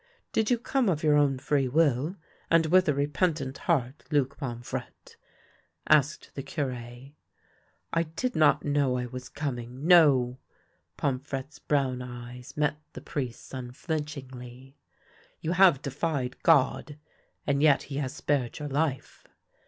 " Did you come of your own free will, and with a repentant heart, Luc Pomfrette ?" asked the Cure. " I did not know I was coming — no." Pomfrette's brown eyes met the priest's unflinchingly. " You have defied God, and yet he has spared your life."